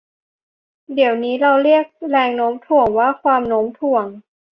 เดี๋ยวนี้เราเรียกแรงโน้มถ่วงว่า ความโน้มถ่วง